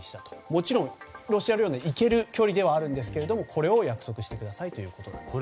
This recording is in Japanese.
もちろんロシア領内に行ける距離ではあるんですけれどもこれを約束してくださいということです。